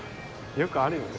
よくあるよね